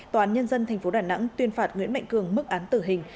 tòa án nhân dân tp đà nẵng tuyên phạt nguyễn mạnh cường mức án tử hình